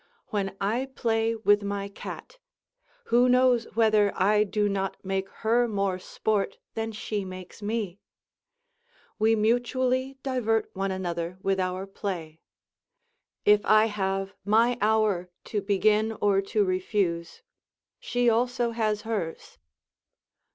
When I play with my cat who knows whether I do not make her more sport than she makes me? We mutually divert one another with our play. If I have my hour to begin or to refusç, she also has hers.